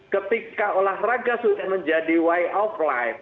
ketika olahraga sudah menjadi y of life